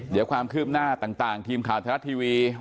เดี๋ยวความคืบหน้าต่างทีมข่าวธรรมชาติทวี